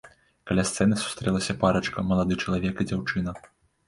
Каля сцэны сустрэлася парачка, малады чалавек і дзяўчына.